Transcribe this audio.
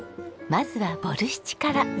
まずはボルシチから。